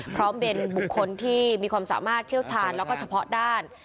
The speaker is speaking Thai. พร้อมเป็นบุคคลที่มีความสามารถเชี่ยวชาญแล้วก็เฉพาะด้าน